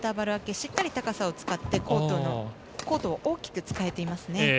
しっかり高さを使ってコートを大きく使えていますね。